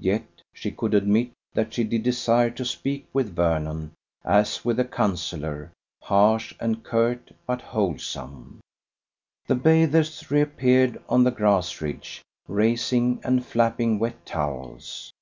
Yet she could admit that she did desire to speak with Vernon, as with a counsellor, harsh and curt, but wholesome. The bathers reappeared on the grass ridge, racing and flapping wet towels.